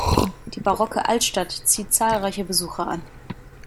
Die barocke Altstadt zieht zahlreiche Besucher an.